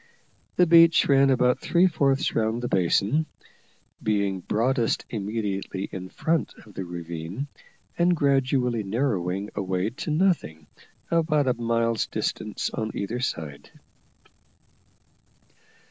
The beach ran about three fourths round the basin, being broadest immediately in front of the ravine, and gradually narrowing away to nothing at about a mile's distance on either side.